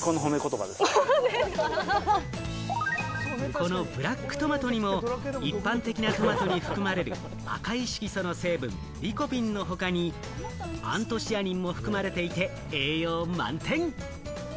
このブラックトマトにも一般的なトマトに含まれる赤い色素の成分・リコピンの他にアントシアニンも含まれていて栄養満点。